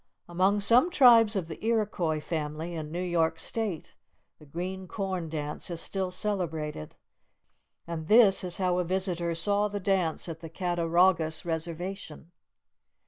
Among some tribes of the Iroquois Family, in New York State, the Green Corn Dance is still celebrated. And this is how a visitor saw the dance at the Cattaraugus Reservation.